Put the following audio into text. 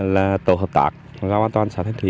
là tổ hợp tạc rau an toàn xã thanh thủy